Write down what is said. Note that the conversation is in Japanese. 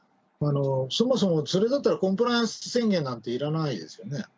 そもそも、それだったらコンプライアンス宣言なんていらないですよね。